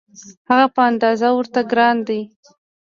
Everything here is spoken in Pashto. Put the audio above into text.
هغه په اندازه ورته ګران دی.